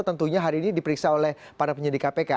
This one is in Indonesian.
tentunya hari ini diperiksa oleh para penyidik kpk